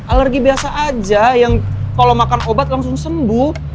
alergi biasa aja yang kalau makan obat langsung sembuh